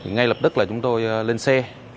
ngay lập tức là chúng tôi lên xe